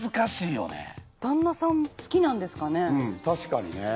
うん確かにね。